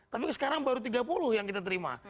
tapi sekarang baru tiga puluh yang kita terima